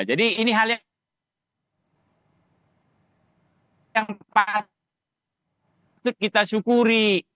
jadi ini hal yang patut kita syukuri